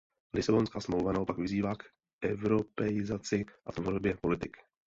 Lisabonská smlouva naopak vyzývá k evropeizaci a tvorbě politik.